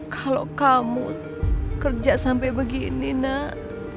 kalau kamu kerja sampai begini nak